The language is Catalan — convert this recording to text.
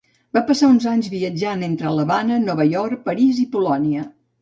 Va passar uns anys viatjant entre l'Havana, Nova York, París i Polònia.